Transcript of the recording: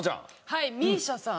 はいＭＩＳＩＡさん。